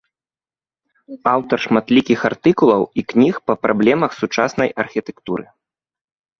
Аўтар шматлікіх артыкулаў і кніг па праблемах сучаснай архітэктуры.